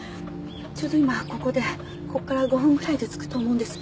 ちょうど今ここでこっから５分ぐらいで着くと思うんです。